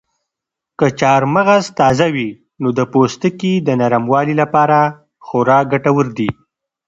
که چهارمغز تازه وي نو د پوستکي د نرموالي لپاره خورا ګټور دي.